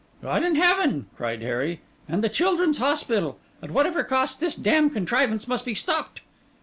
'God in heaven!' cried Harry. 'And the Children's Hospital! At whatever cost, this damned contrivance must be stopped!